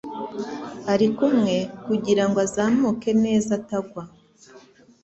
Arikumwe kugirango azamuke neza atagwa.